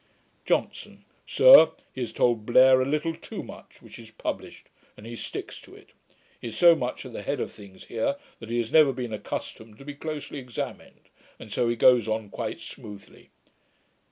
JOHNSON. 'Sir, he has told Blair a little too much, which is published; and he sticks to it. He is so much at the head of things here, that he has never been accustomed to be closely examined; and so he goes on quite smoothly.'